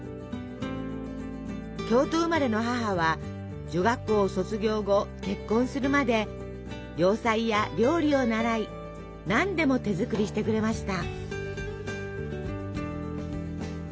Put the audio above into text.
京都生まれの母は女学校を卒業後結婚するまで洋裁や料理を習い何でも手作りしてくれました。